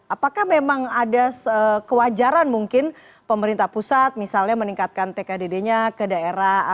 apakah memang ada kewajaran mungkin pemerintah pusat misalnya meningkatkan tkdd nya ke daerah